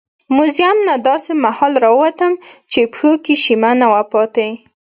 موزیم نه داسې مهال راووتم چې پښو کې شیمه نه وه پاتې.